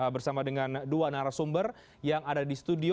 bersama dengan dua narasumber yang ada di studio